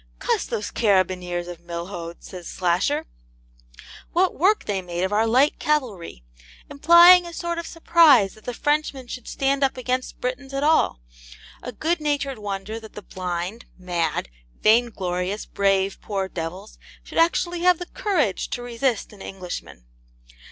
'Cuss those carabineers of Milhaud's,' says Slasher, 'what work they made of our light cavalry!' implying a sort of surprise that the Frenchman should stand up against Britons at all: a good natured wonder that the blind, mad, vain glorious, brave poor devils should actually have the courage to resist an Englishman.